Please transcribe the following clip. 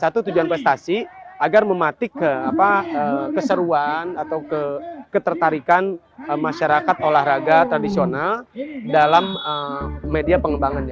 satu tujuan prestasi agar mematik keseruan atau ketertarikan masyarakat olahraga tradisional dalam media pengembangannya